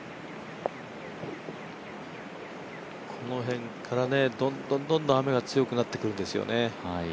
この辺からどんどん雨が強くなってくるんですよね。